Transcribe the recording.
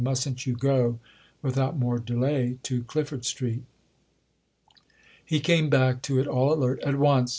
"Mustn't you go without more delay to Clifford Street?" He came back to it all alert "At once!"